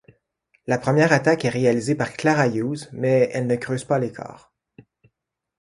La première attaque est réalisée par Clara Hughes, mais elle ne creuse pas l'écart.